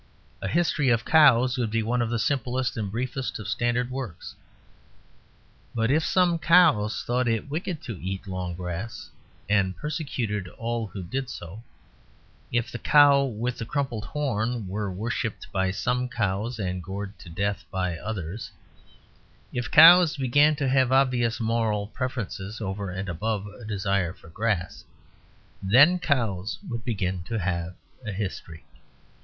"A History of Cows" would be one of the simplest and briefest of standard works. But if some cows thought it wicked to eat long grass and persecuted all who did so; if the cow with the crumpled horn were worshipped by some cows and gored to death by others; if cows began to have obvious moral preferences over and above a desire for grass, then cows would begin to have a history.